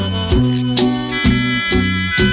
มีความรู้สึกว่ามีความรู้สึกว่า